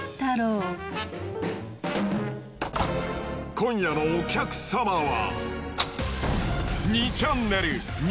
今夜のお客様は。